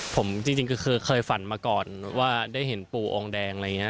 ผมจริงคือเคยฝันมาก่อนว่าได้เห็นปู่องค์แดงอะไรอย่างนี้